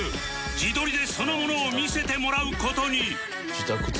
自撮りでそのものを見せてもらう事に